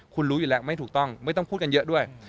คุณรู้อยู่แล้วไม่ถูกต้องไม่ต้องพูดกันเยอะด้วย